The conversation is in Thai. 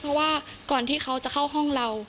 เพราะว่าก่อนที่เขาจะเข้าห้องเรา